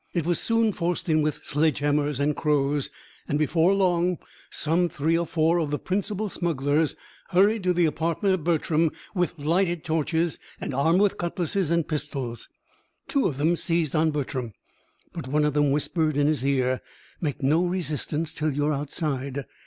It was soon forced in with sledgehammers and crows, and, before long, some three or four of the principal smugglers hurried to the apartment of Bertram with lighted torches, and armed with cutlasses and pistols. Two of them seized on Bertram, but one of them whispered in his ear, "Make no resistance till you are outside."